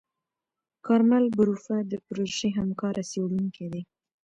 کارمل بروف د پروژې همکاره څېړونکې ده.